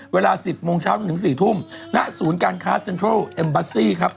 เวลา๑๐โมงเช้าจนถึง๔ทุ่มณศูนย์การค้าเซ็นทรัลเอ็มบัสซี่ครับ